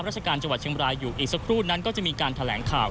ราชการจังหวัดเชียงบรายอยู่อีกสักครู่นั้นก็จะมีการแถลงข่าว